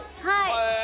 はい。